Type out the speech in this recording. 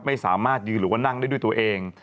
ไม่สามารถยืนหรือว่านั่งได้ด้วยตัวเอง